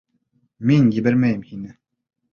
Мин ебәрмәйем һине!